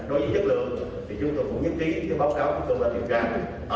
đối với chất lượng thì chúng tôi cũng nhất trí cái báo cáo của cơ quan điều tra